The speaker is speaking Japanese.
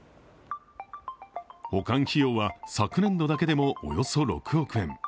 保管費用は昨年度だけでもおよそ６億円。